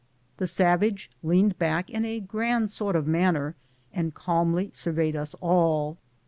The savage leaned back in a grand sort of man ner and calmly surveyed us all.